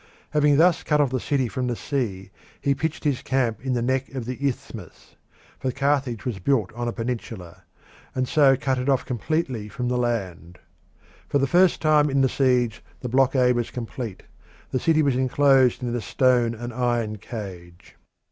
Having thus cut off the city from the sea, he pitched his camp on the neck of the isthmus for Carthage was built on a peninsula and so cut it off completely from the land. For the first time in the siege the blockade was complete: the city was enclosed in a stone and iron cage.